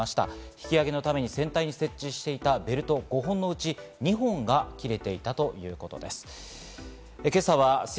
引き揚げのために船体に設置していたベルト５本のうち２本が切れていたということです。